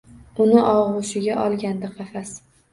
Uni og‘ushiga olgandi qafas.